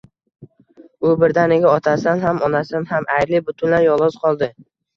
U birdaniga otasidan ham, onasidan ham ayrilib, butunlay yolg`iz qoldi